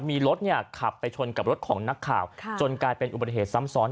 มีรถขับไปชนกับรถของนักข่าวจนกลายเป็นอุบัติเหตุซ้ำซ้อน